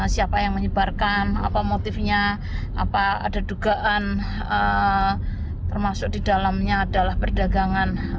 siapa yang menyebarkan apa motifnya apa ada dugaan termasuk di dalamnya adalah perdagangan